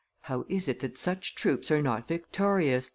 "How is it that such troops are not victorious?"